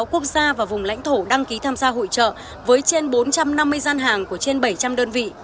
sáu mươi quốc gia và vùng lãnh thổ đăng ký tham gia hội trợ với trên bốn trăm năm mươi gian hàng của trên bảy trăm linh đơn vị